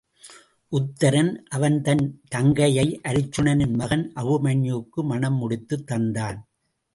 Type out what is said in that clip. உத்தரன் அவன் தன் தங்கையை அருச்சுனனின் மகன் அபிமன்யுவுக்கு மணம் முடித்துத் தந்தான்.